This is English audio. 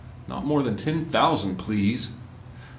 Not more than ten thousand, please!"